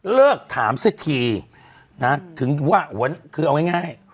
เลิกถามสักทีนะถึงว่าคือเอาง่าย